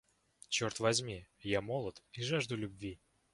Черт возьми, я молод и жажду любви!